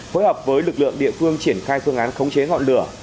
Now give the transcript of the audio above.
phối hợp với lực lượng địa phương triển khai phương án khống chế ngọn lửa